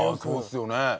そうですよね。